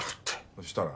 そしたら？